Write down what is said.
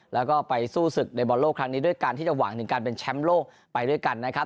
แล้วก็ไปสู้ศึกในบอลโลกครั้งนี้ด้วยการที่จะหวังถึงการเป็นแชมป์โลกไปด้วยกันนะครับ